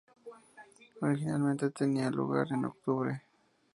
Originalmente tenía lugar en octubre.